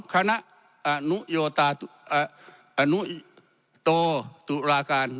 ขณะอ่าเราโตอ่า